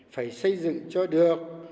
phải xây dựng cho được